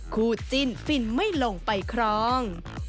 คู่จิ้นฟินไม่ลงไปครอง